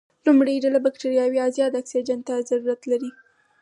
لومړۍ ډله بکټریاوې ازاد اکسیجن ته ضرورت لري.